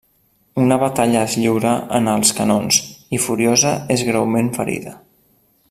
Una batalla es lliura en els canons, i Furiosa és greument ferida.